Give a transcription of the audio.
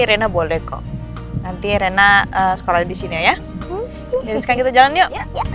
rena boleh kok nanti rena sekolah di sini ya jadi sekarang kita jalan yuk